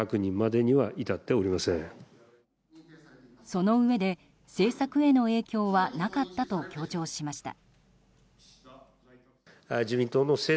そのうえで、政策への影響はなかったと強調しました。